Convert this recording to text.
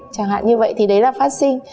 chẳng hạn như vậy thì đấy là phát sinh